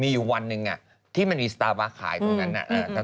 มีอยู่วันหนึ่งที่มันมีสตาร์บาร์ขายตรงนั้น